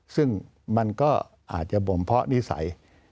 ซึ่งมันก็อาจจะบ่มเพาะนิสัย